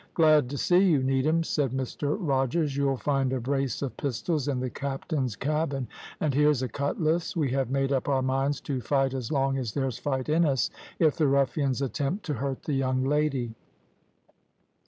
`Glad to see you, Needham,' said Mr Rogers; `you'll find a brace of pistols in the captain's cabin, and here's a cutlass; we have made up our minds to fight as long as there's fight in us, if the ruffians attempt to hurt the young lady.'